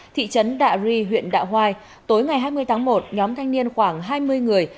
thị trấn đạ ri huyện đạ hoai tối ngày hai mươi tháng một nhóm thanh niên khoảng hai mươi người